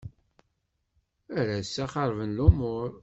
Ar assa xerben lumuṛ.